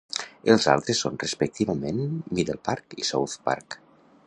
Els altres són respectivament Middle Park i South Park.